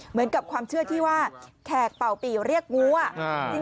เหมือนกับความเชื่อที่ว่าแขกเป่าปีเรียกงูอ่ะ